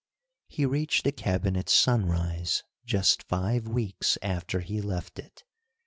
He reached the cabin at sunrise, just five weeks after he left it.